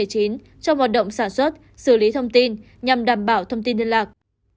trong hoạt động sản xuất xử lý thông tin nhằm đảm bảo thông tin liên lạc